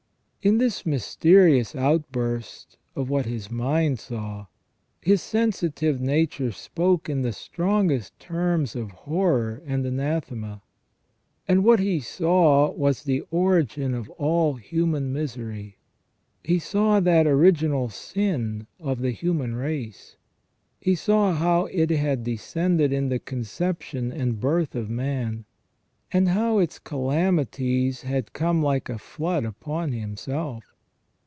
In this mysterious outburst of what his mind saw, his sensitive nature spoke in the strongest terms of horror and anathema. And what he saw was the origin of all human misery. He saw that original sin of the human race ; he saw how it had descended in the conception and birth of man, and how its calamities had come like a flood upon himself.